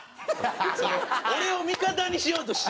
俺を味方にしようとして。